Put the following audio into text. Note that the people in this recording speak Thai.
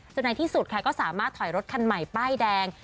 ในที่สุดค่ะก็สามารถถอยรถคันใหม่ป้ายแดง